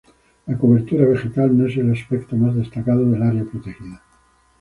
La cobertura vegetal no es el aspecto más destacado del área protegida.